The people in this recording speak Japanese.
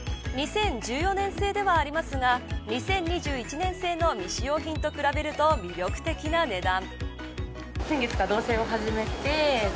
２０１４年製ではありますが２０２１年製の未使用品と比べると魅力的な値段。